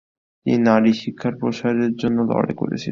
তিনি নারী শিক্ষার প্রসারের জন্য লড়াই করেছিলেন।